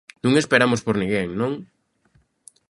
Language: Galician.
Non esperamos por ninguén, ¿non?